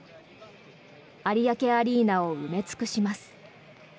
有明アリーナを埋め尽くします。